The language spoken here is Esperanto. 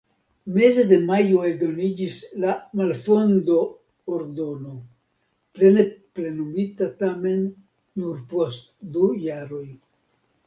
Meze de majo eldoniĝis la malfondo-ordono, plene plenumita tamen nur post du jaroj.